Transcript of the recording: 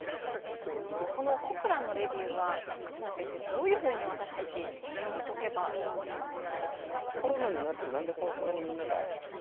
この「コクラン」のレビューは、忽那先生、どういうふうに私たち、読み解けばいいんでしょうか？